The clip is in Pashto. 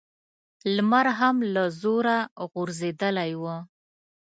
لمر هم له زوره غورځېدلی و.